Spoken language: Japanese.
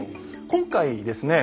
今回ですね